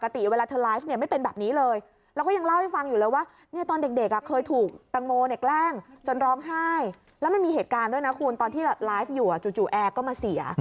ตอนที่ไลฟ์อยู่จู่แอร์ก็มาเสีย